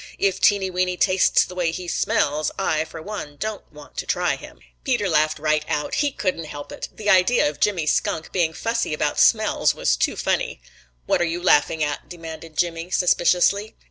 If Teeny Weeny tastes the way he smells, I for one don't want to try him." Peter laughed right out. He couldn't help it. The idea of Jimmy Skunk being fussy about smells was too funny. "What are you laughing at?" demanded Jimmy, suspiciously.